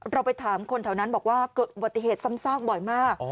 เราไปถามคนแถวนั้นบอกว่าเกิดปโทษเวทย์ซ่ำซากบ่อยมาก